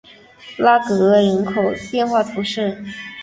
拉戈人口变化图示